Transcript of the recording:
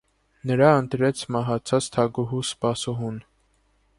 Նրա ընտրեց մահացած թագուհու սպասուհուն։